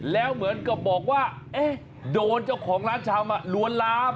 แล้วเหมือนกับบอกว่าโดนเจ้าของร้านชำล้วนลาม